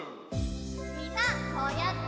みんなこうやって。